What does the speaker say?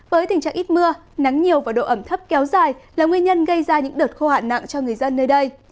với tình trạng ít mưa nắng nhiều và độ ẩm thấp kéo dài là nguyên nhân gây ra những đợt khô hạn nặng cho người dân nơi đây